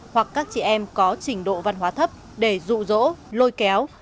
hoặc các chị em có trình độ văn hóa thấp để rụ rỗ lôi kéo